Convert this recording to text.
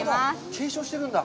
継承してるんだ？